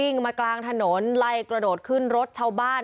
มากลางถนนไล่กระโดดขึ้นรถชาวบ้าน